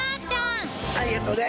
ありがとうね。